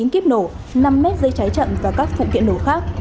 một mươi chín kiếp nổ năm mét dây trái chậm và các phụ kiện nổ khác